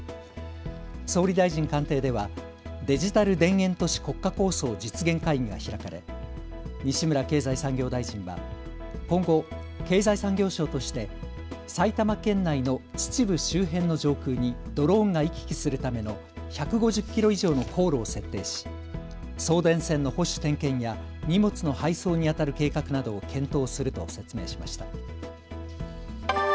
総理大臣官邸ではデジタル田園都市国家構想実現会議が開かれ西村経済産業大臣は今後、経済産業省として埼玉県内の秩父周辺の上空にドローンが行き来するための１５０キロ以上の航路を設定し送電線の保守点検や荷物の配送にあたる計画などを検討すると説明しました。